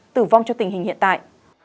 tử vong cho tình hình hiện tại